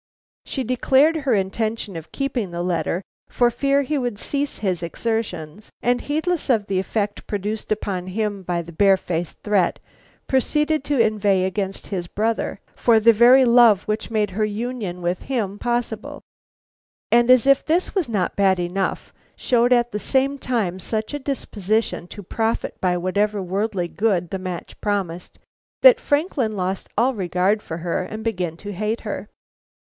She declared her intention of keeping the letter for fear he would cease his exertions; and heedless of the effect produced upon him by the barefaced threat, proceeded to inveigh against his brother for the very love which made her union with him possible; and as if this was not bad enough, showed at the same time such a disposition to profit by whatever worldly good the match promised, that Franklin lost all regard for her, and began to hate her.